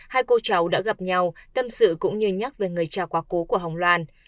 hai cô cháu đã gặp nhau tâm sự cũng như nhắc về người cha quá cố của hồng loan